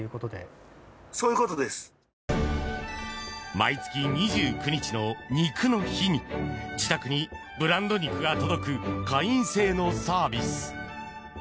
毎月２９日の肉の日に自宅にブランド肉が届く会員制のサービス。